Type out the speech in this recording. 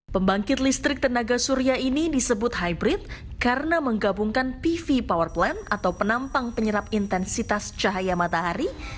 pembangkit listrik tenaga surya ini disebut hybrid karena menggabungkan pv power plan atau penampang penyerap intensitas cahaya matahari